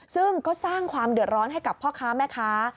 ซึ่งก็สร้างความเดือดร้อนให้กับพ่อค้าแม่ค้า